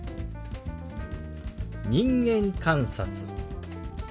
「人間観察」。